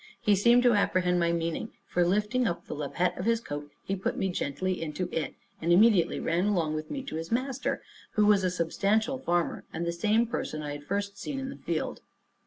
He seemed to apprehend my meaning; for, lifting up the lappet of his coat, he put me gently into it, and immediately ran along with me to his master, who was a substantial farmer, and the same person I had first seen in the field.